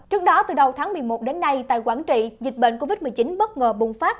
trước đó từ đầu tháng một mươi một đến nay tại quảng trị dịch bệnh covid một mươi chín bất ngờ bùng phát